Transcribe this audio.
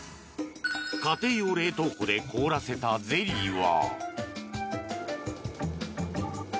家庭用冷凍庫で凍らせたゼリーは。